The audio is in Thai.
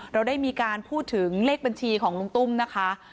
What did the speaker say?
เราได้มีการพูดถึงเลขบัญชีของลุงตุ้มนะคะ